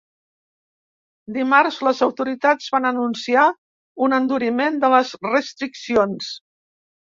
Dimarts, les autoritats van anunciar un enduriment de les restriccions.